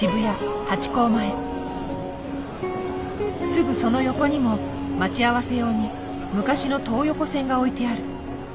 すぐその横にも待ち合わせ用に昔の東横線が置いてある。